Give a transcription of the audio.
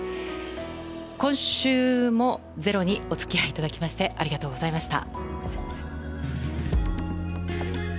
今週も「ｚｅｒｏ」にお付き合いいただきましてありがとうございました。